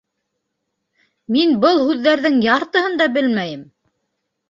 —Мин был һүҙҙәрҙең яртыһын да белмәйем!